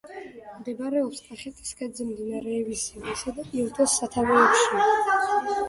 მდებარეობს კახეთის ქედზე, მდინარეების ივრისა და ილტოს სათავეებში.